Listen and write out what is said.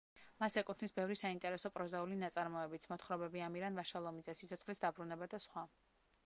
მას ეკუთვნის ბევრი საინტერესო პროზაული ნაწარმოებიც: მოთხრობები ამირან ვაშალომიძე, სიცოცხლის დაბრუნება და სხვა.